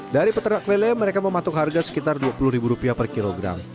dari peternak lele mereka mematuk harga sekitar dua puluh rupiah per kilogram